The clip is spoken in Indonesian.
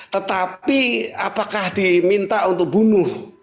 tetapi apakah diminta untuk bunuh